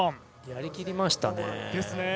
やりきりましたね。